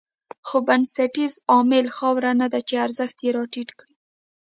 خو بنسټیز عامل خاوره نه ده چې ارزښت یې راټيټ کړی.